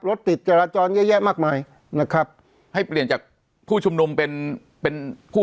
รถติดจราจรเยอะแยะมากมายนะครับให้เปลี่ยนจากผู้ชุมนุมเป็นเป็นผู้